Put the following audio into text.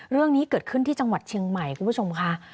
เรื่องนี้เกิดขึ้นที่จังหวัดเชียงใหม่คุณผู้ชมค่ะ